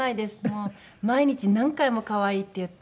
毎日何回も「可愛い」って言って。